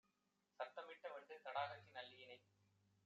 சத்தமிட்ட வண்டு தடாகத்தின் அல்லியினை